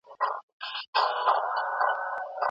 څوک د وسلو د نه خپراوي تړونونه تاییدوي؟